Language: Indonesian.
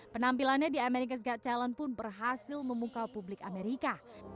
penampilannya di america's got talent pun berhasil memungkau publik amerika